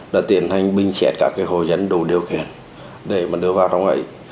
đã tiến hành bình xét các hồ dân đủ điều kiện để đưa vào trong ấy